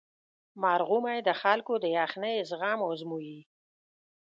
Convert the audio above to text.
مرغومی د خلکو د یخنۍ زغم ازمويي.